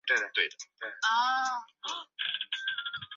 拉玛二世派他抵御。